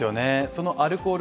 そのアルコール